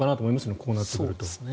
こうなってくると。